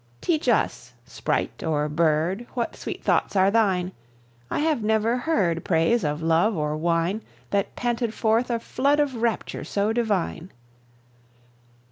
Teach us, sprite or bird, What sweet thoughts are thine: I have never heard Praise of love or wine That panted forth a flood of rapture so divine.